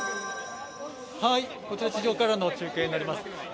こちら、地上からの中継になります。